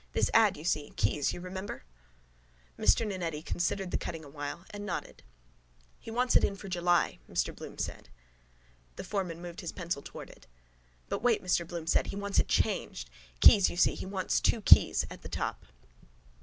This ad, you see. Keyes, you remember? Mr Nannetti considered the cutting awhile and nodded. —He wants it in for July, Mr Bloom said. The foreman moved his pencil towards it. —But wait, Mr Bloom said. He wants it changed. Keyes, you see. He wants two keys at the top.